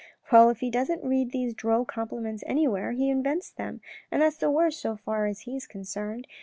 " Well, if he doesn't read these droll compliments anywhere, he invents them, and that's all the worse so far as he is concerned.